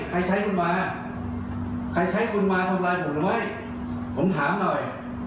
ใครใช้คุณมาใครใช้คุณมาทำร้ายผมไหมผมถามหน่อย